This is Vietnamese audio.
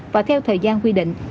và theo thời gian quy định